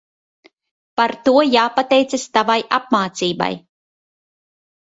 Par to jāpateicas tavai apmācībai.